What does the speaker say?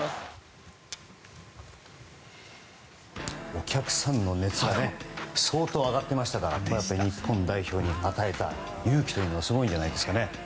お客さんの熱も相当上がっていましたから日本代表に与えた勇気はすごいんじゃないですかね。